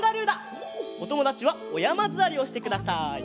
おともだちはおやまずわりをしてください。